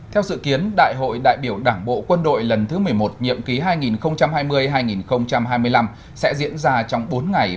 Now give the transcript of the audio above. theo dự kiến đại hội đại biểu đảng bộ quân đội lần thứ một mươi một nhiệm ký hai nghìn hai mươi hai nghìn hai mươi năm sẽ diễn ra trong bốn ngày